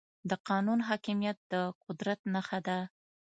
د قانون حاکميت د قدرت نښه ده.